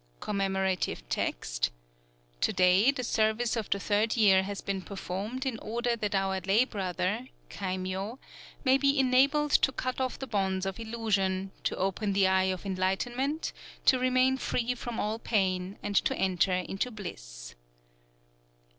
_ (Commemorative text.) To day, the service of the third year has been performed in order that our lay brother [kaimyō] may be enabled to cut off the bonds of illusion, to open the Eye of Enlightenment, to remain free from all pain, and to enter into bliss.